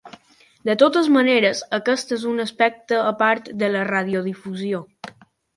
De totes maneres, aquest és un aspecte a part de la radiodifusió.